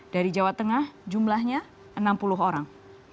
dari jawa tengah jumlahnya enam puluh orang